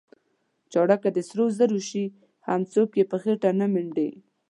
چاړه که د سرو شي هم څوک یې په خېټه نه منډي.